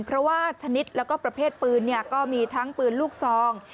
เพราะว่าชนิดแล้วก็ประเภทปืนก็มีทั้งปืนลูกซอง